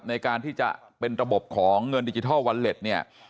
ในการที่จะเป็นระบบของเงินดิจิทัลวอลเล็ตเนี่ย